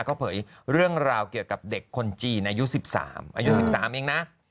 ก็เผยเรื่องราวเกี่ยวกับเด็กคนจีนอายุ๑๓อายุ๑๓เองนะ